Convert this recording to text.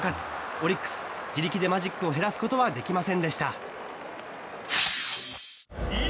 オリックス、自力でマジックを減らすことはできませんでした。